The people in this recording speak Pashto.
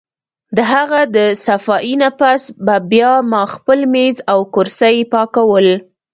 د هغه د صفائي نه پس به بیا ما خپل مېز او کرسۍ پاکول